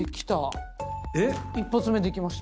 １発目できました。